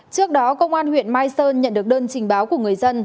trước đó công an huyện mai sơn nhận được đơn trình báo của người dân